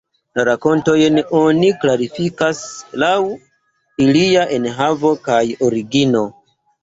La rakontojn oni klasifikas laŭ ilia enhavo kaj origino.